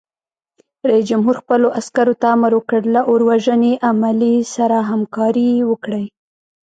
رئیس جمهور خپلو عسکرو ته امر وکړ؛ له اور وژنې عملې سره همکاري وکړئ!